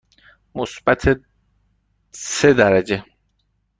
مثبت سه درجه.